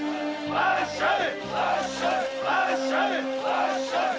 わっしょい！